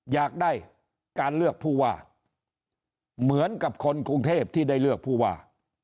อยากได้การเลือกผู้ว่าเหมือนกับคนกรุงเทพที่ได้เลือกผู้ว่า